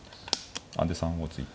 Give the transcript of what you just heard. で３五突いて。